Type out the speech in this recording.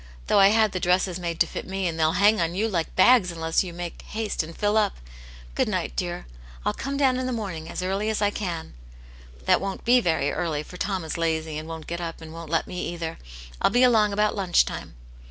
Though I had the dresses made to fit me, and they'll hang on you like bags unless you make haste and fill up. Good night, dean Til com^ down in the morniHg as early as I can ; that \von*t be very early, tox lorn v& \aj.^ ^.xA Aunt Jam's Hero^ 169 won't get up, and won't let me either. Til be along about lunch time."